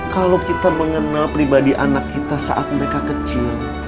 kalau kita mengenal pribadi anak kita saat mereka kecil